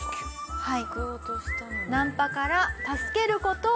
はい。